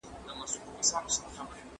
ځان پېژندنه بریا پیاوړې کوي.